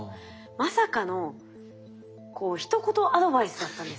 まさかのひと言アドバイスだったんですね。